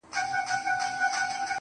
څه جوړ كاڼو ورولو ته حالات دي